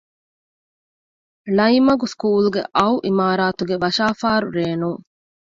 ޅައިމަގު ސްކޫލްގެ އައު އިމާރާތުގެ ވަށާފާރު ރޭނުން